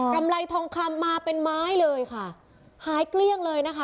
ำไรทองคำมาเป็นไม้เลยค่ะหายเกลี้ยงเลยนะคะ